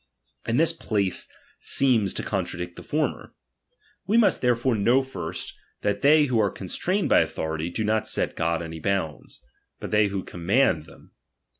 And this place sepms to contradict the former. We must therefore know first, that they who are constrained by aathority, do not set God any bounds ; but they who command tfaem.